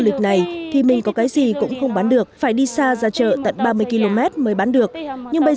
lịch này thì mình có cái gì cũng không bán được phải đi xa ra chợ tận ba mươi km mới bán được nhưng bây